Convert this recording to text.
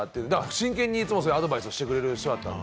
真剣にそういうアドバイスしてくれる人だったんで。